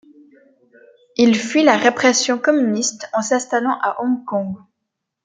Il fuit la répression communiste en s'installant à Hong Kong.